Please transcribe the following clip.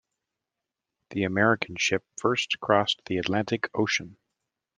The American ship first crossed the Atlantic Ocean.